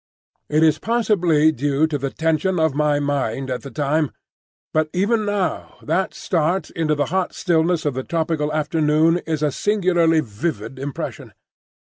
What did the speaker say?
It is possibly due to the tension of my mind, at the time, but even now that start into the hot stillness of the tropical afternoon is a singularly vivid impression.